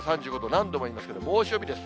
何度も言いますけど、猛暑日です。